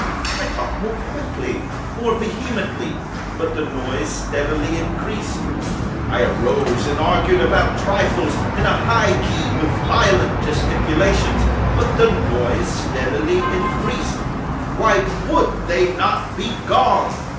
I talked more quickly—more vehemently; but the noise steadily increased. I arose and argued about trifles, in a high key and with violent gesticulations; but the noise steadily increased. Why would they not be gone?